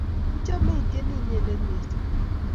Ichome ii tyeni inyendet missing'.